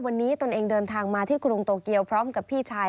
วันนี้ตนเองเดินทางมาที่กรุงโตเกียวพร้อมกับพี่ชาย